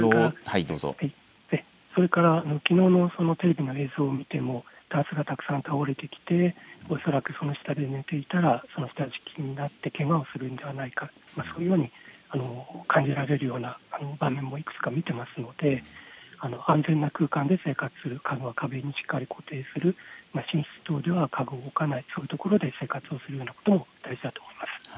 それからきのうのテレビの映像を見てもタンスが倒れてきてその下で寝ていた、下敷きになって、けがをするのではないか、そのように感じられるような場面もいくつか見ていますので安全な空間で生活する、家具はしっかり壁に固定、寝室では家具を置かないそういう所で生活することも大事だと思います。